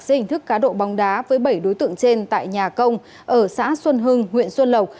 dưới hình thức cá độ bóng đá với bảy đối tượng trên tại nhà công ở xã xuân hưng huyện xuân lộc